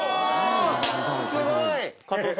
すごい！